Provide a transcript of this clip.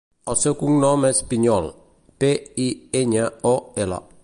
El seu cognom és Piñol: pe, i, enya, o, ela.